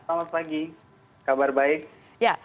selamat pagi kabar baik